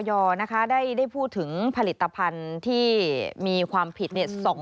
ยอมรับว่าการตรวจสอบเพียงเลขอยไม่สามารถทราบได้ว่าเป็นผลิตภัณฑ์ปลอม